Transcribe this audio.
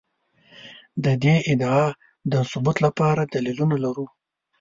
د دې ادعا د ثبوت لپاره دلیلونه لرو.